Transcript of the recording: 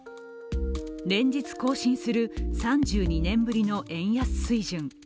連日更新する３２年ぶりの円安水準。